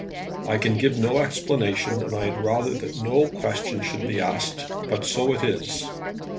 "I can give no explanation, and I had rather that no questions should be asked. But so it is."